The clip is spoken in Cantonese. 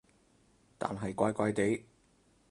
但係怪怪地